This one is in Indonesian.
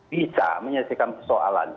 bisa menyelesaikan persoalan